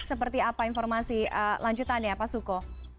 seperti apa informasi lanjutannya pak suko